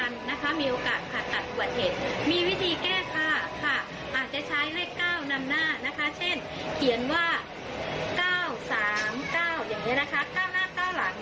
อาจจะใช้เลข๙นำหน้าเช่นเขียนว่า๙๓๙เหลือ๙หน้า๙หลัง